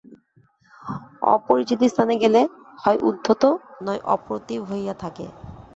অপরিচিত স্থানে গেলে, হয় উদ্ধত নয় অপ্রতিভ হইয়া থাকে।